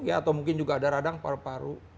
atau mungkin juga ada radang paru paru